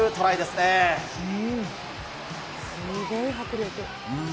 すごい迫力。